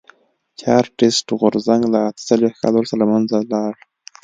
چارټېست غورځنګ له اته څلوېښت کال وروسته له منځه لاړ.